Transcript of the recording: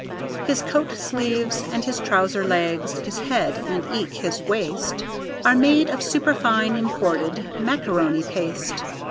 His coat sleeves and his trouser legs, his head and eke his waist Are made of superfine imported macaroni paste.